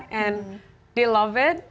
dan mereka suka